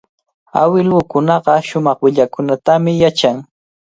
Awilukunaqa shumaq willakuykunatami yachan.